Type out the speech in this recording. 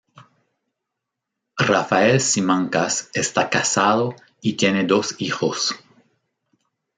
Rafael Simancas está casado y tiene dos hijos.